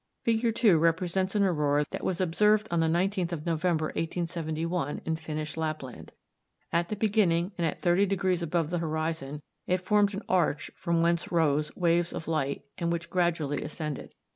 Fig. 2 represents an aurora that was observed on the 19th of November, 1871, in Finnish Lapland. At the beginning, and at 30° above the horizon, it formed an arch from whence rose waves of light, and which gradually ascended.